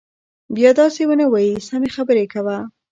بيا دسې ونه وايي سمې خبرې کوه.